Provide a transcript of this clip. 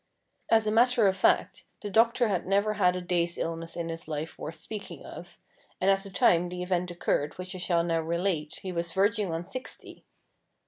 As a matter of fact, the doctor had never had a day's illness in his life worth speaking of, and at the time the event occurred which I shall now relate, he was verging on sixty.